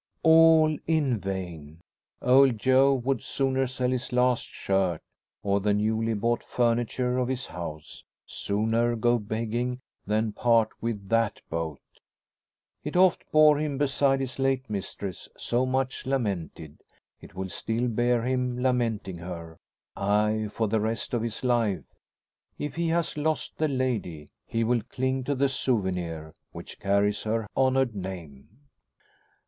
All in vain. Old Joe would sooner sell his last shirt, or the newly bought furniture of his house sooner go begging than part with that boat. It oft bore him beside his late mistress, so much lamented; it will still bear him lamenting her aye for the rest of his life. If he has lost the lady he will cling to the souvenir, which carries her honoured name!